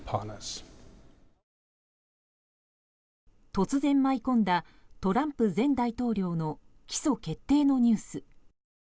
突然舞い込んだトランプ前大統領の起訴決定のニュース。